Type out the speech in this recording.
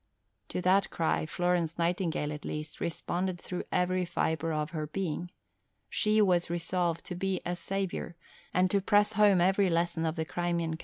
To that cry, Florence Nightingale, at least, responded through every fibre of her being. She was resolved to be "a saviour," and to press home every lesson of the Crimean campaign. See below, p.